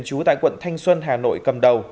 chú tại quận thanh xuân hà nội cầm đầu